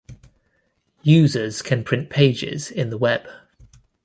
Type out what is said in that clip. Users can print pages in the web.